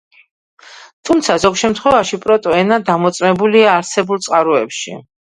თუმცა, ზოგ შემთხვევებში პროტო ენა დამოწმებულია არსებულ წყაროებში.